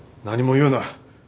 何も言うな。